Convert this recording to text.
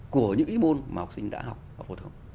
của những ý môn mà học sinh đã học và phổ thông